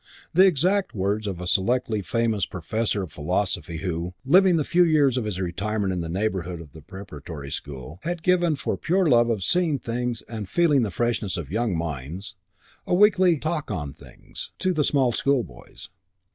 The exact words of a selectly famous professor of philosophy who, living the few years of his retirement in the neighbourhood of the preparatory school, had given for pure love of seeing young things and feeling the freshness of young minds a weekly "talk on things" to the small schoolboys.